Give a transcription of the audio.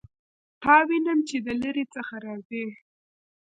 تا وینم چې د لیرې څخه راځې